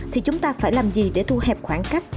thì chúng ta phải làm gì để thu hẹp khoảng cách